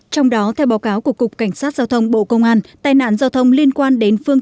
trong đó theo báo cáo của cục cảnh sát giao thông bộ công an tai nạn giao thông liên quan đến phương